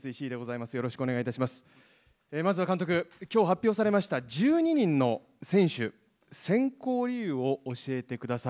まずは監督、きょう発表されました１２人の選手、選考理由を教えてください。